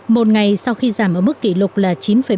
một ngày sau khi giảm ở mức kỷ lục là chín một